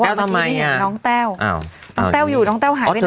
แต้วทำไมน้องแต้วอยู่น้องแต้วหายไปไหน